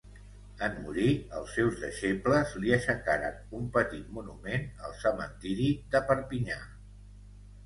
En morir, els seus deixebles li aixecaren un petit monument al cementiri de Perpinyà.